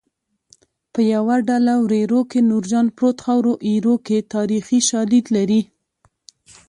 په یوه ډله وریرو کې نورجان پروت خاورو ایرو کې تاریخي شالید لري